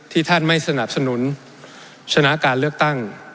ท่านไม่สนับสนุนชนะการเลือกตั้ง